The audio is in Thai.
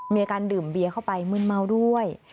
มีการดื่มเบียเข้าไปมึนเมาด้วย